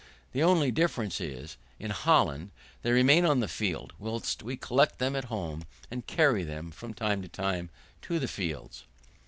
The only difference is, in Holland they remain on the field, whilst we collect them at home and carry them, from time to time, to the fields.